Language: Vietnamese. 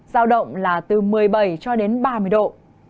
giao động là từ một mươi bảy cho đến ba mươi độ